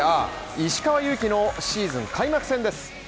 石川祐希のシーズン開幕戦です。